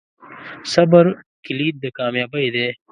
صبر کلید د کامیابۍ دی.